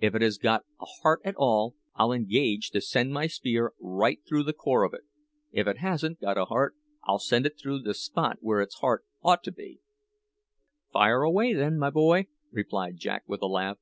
If it has got a heart at all, I'll engage to send my spear right through the core of it; if it hasn't got a heart, I'll send it through the spot where its heart ought to be." "Fire away, then, my boy," replied Jack with a laugh.